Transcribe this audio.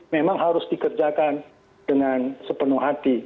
memang harus dikerjakan dengan sepenuh hati